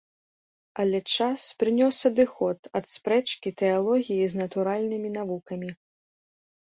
Але час прынёс адыход ад спрэчкі тэалогіі з натуральнымі навукамі.